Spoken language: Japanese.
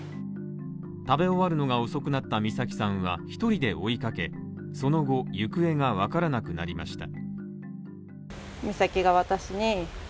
食べ終わるのが遅くなった美咲さんは１人で追いかけその後、行方が分からなくなりました。